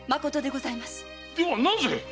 ではなぜ？